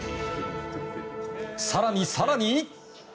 更に更に。